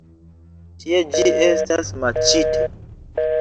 Tie ĝi estas maĉita.